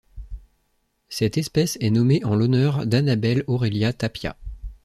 Cette espèce est nommée en l'honneur d'Anabelle Aurelia Tapia.